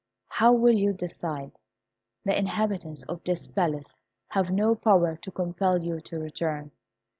How will you decide? The inhabitants of this palace have no power to compel you to return.